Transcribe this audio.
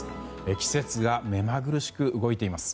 季節が目まぐるしく動いています。